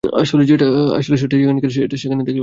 আসলে, যেটা যেখানকার সেটা সেখানে থাকলেই ভালো হয়!